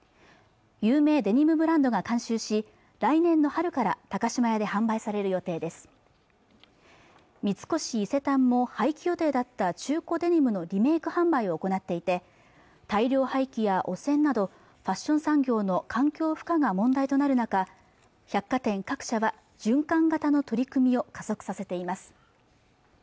有名デニムブランドが監修し来年の春から高島屋で販売される予定です三越伊勢丹も廃棄予定だった中古デニムのリメイク販売を行っていて大量廃棄や汚染などファッション産業の環境負荷が問題となる中百貨店各社は循環型の取り組みを加速させています